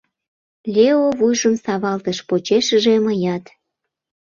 Лео вуйжым савалтыш, почешыже мыят.